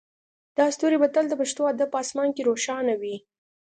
دا ستوری به تل د پښتو ادب په اسمان کې روښانه وي